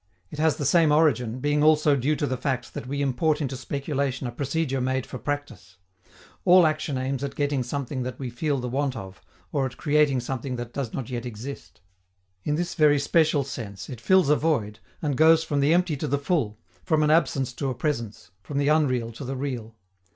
It has the same origin, being also due to the fact that we import into speculation a procedure made for practice. All action aims at getting something that we feel the want of, or at creating something that does not yet exist. In this very special sense, it fills a void, and goes from the empty to the full, from an absence to a presence, from the unreal to the real.